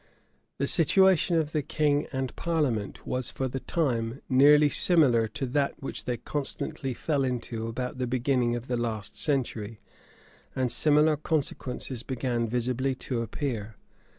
The situation of the king and parliament was for the time, nearly similar to that which they constantly fell into about the beginning of the last century; and similar consequences began visibly to appear.